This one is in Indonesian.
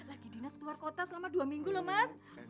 lagi dinas keluar kota selama dua minggu loh mas